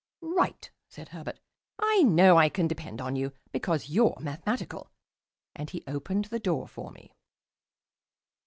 "Right," said Herbert. "I know I can depend on you, because you're mathematical." And he opened the door for me.